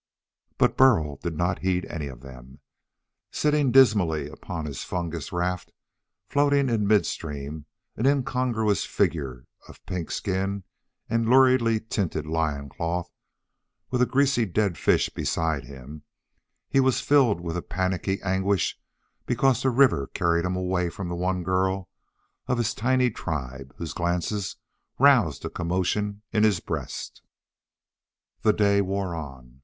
But Burl did not heed any of them. Sitting dismally upon his fungus raft, floating in midstream, an incongruous figure of pink skin and luridly tinted loin cloth, with a greasy dead fish beside him, he was filled with a panicky anguish because the river carried him away from the one girl of his tiny tribe whose glances roused a commotion in his breast. The day wore on.